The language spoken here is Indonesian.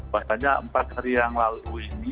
makanya empat hari yang lalu ini